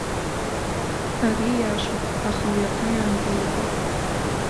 Ари иашоуп, аха уи аҟны иаангылатәым.